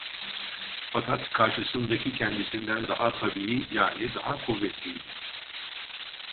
Fakat karşısındaki kendisinden daha tabii, yani daha kuvvetliydi.